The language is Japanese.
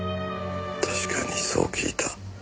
確かにそう聞いた。